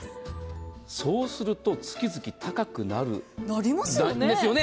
そうすると月々高くなりますよね。